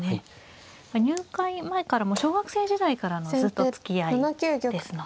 入会前から小学生時代からのずっとつきあいですので。